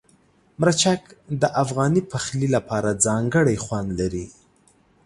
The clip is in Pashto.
مرچک د افغاني پخلي لپاره ځانګړی خوند لري.